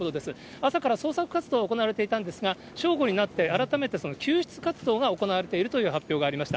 朝から捜索活動が行われていたんですが、正午になって、改めて救出活動が行われているという発表がありました。